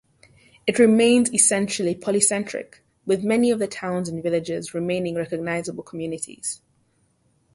It remains essentially polycentric with many of the towns and villages remaining recognisable communities.